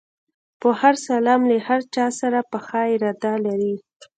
په هر سلام له هر چا سره پخه اراده لري.